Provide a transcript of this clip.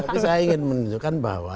tapi saya ingin menunjukkan bahwa